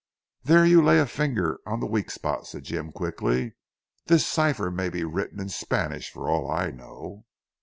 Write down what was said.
"There you lay a finger on the weak spot," said Jim quickly, "This cipher may be written in Spanish for all I know."